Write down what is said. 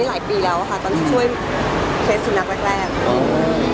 จงได้อยู่แล้วตอนฝ่ายของเชฟรักแรก